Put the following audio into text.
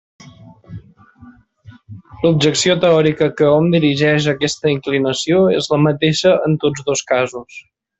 L'objecció teòrica que hom dirigeix a aquesta inclinació és la mateixa en tots dos casos.